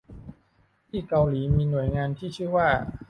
ที่เกาหลีมีหน่วยงานที่ชื่อว่า